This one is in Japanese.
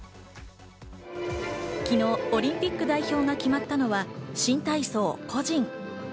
昨日、オリンピック代表が決まったのは新体操個人。